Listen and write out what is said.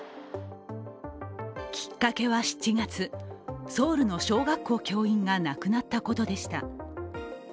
きっかけは７月、ソウルの小学校教員が亡くなったことでした。